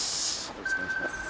よろしくお願いします。